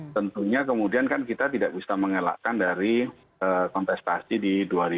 tentunya kemudian kan kita tidak bisa mengelakkan dari kontestasi di dua ribu dua puluh